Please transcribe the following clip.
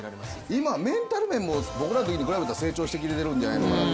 今、メンタル面も僕らのときと比べたら成長してきてるんじゃないかなと。